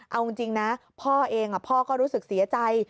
เอาจริงนะพ่อเองพ่อก็รู้สึกเสียใจ